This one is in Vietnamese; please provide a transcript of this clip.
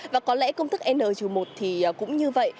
và có lẽ công thức n một thì cũng như vậy